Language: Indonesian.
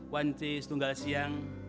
wanci setunggal siang